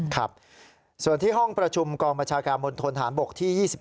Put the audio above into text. ครับส่วนที่ห้องประชุมกองบัญชาการมณฑนฐานบกที่๒๑